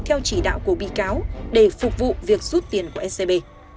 theo chỉ đạo của bị cáo để phục vụ việc rút tiền của scb